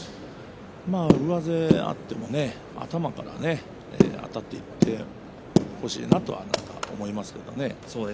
上背があってもね頭からあたっていってほしいなと思いますけどね。